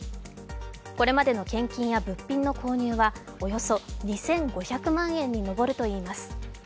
これまでの献金や物品の購入はおよそ２５００万円に上るといいます。